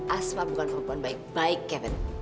aspa bukan perempuan baik baik kevin